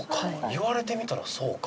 言われてみたらそうか。